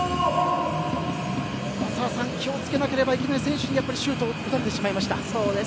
澤さん気を付けなければいけない選手にシュートを打たれてしまいました。